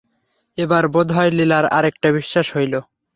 এবার বোধ হয় লীলার অনেকটা বিশ্বাস হইল।